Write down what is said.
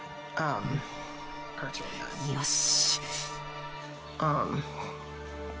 よし。